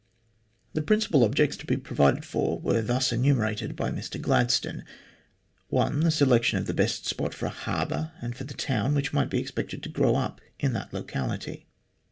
The principal objects to be provided for were thus enumerated by Mr Gladstone : (1) The selection of the best spot for a harbour, and for the town which might be expected to grow up in that locality.